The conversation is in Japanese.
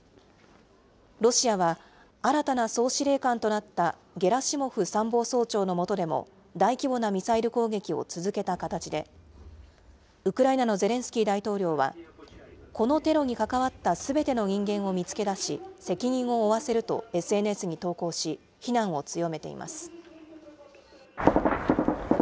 ロシアは、新たな総司令官となったゲラシモフ参謀総長の下でも大規模なミサイル攻撃を続けた形で、ウクライナのゼレンスキー大統領は、このテロに関わったすべての人間を見つけ出し、責任を負わせるとＳＮＳに投稿し、非難を強めています。